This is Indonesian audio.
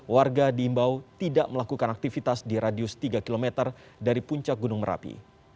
warga diimbau tidak melakukan aktivitas di radius tiga km dari puncak gunung merapi